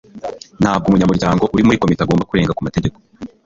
Ntabwo umunyamuryango uri muri Komite agomba kurenga kumategeko